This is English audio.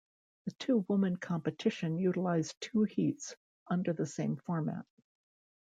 The two-woman competition utilized two heats, under the same format.